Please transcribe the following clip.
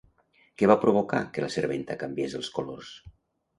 Què va provocar que la serventa canviés els colors?